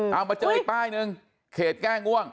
เอามาเจออีกป้ายหนึ่งเขตแก้ง่วง